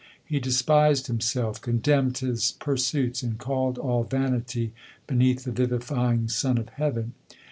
He despised him self, contemned his pursuits, ami called all vanity beneath the vivifying sun of heaven.